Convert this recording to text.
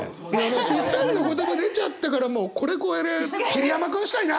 ぴったりの言葉出ちゃったからもうこれ超えられるの桐山くんしかいない！